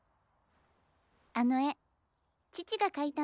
あの絵父が描いたんです。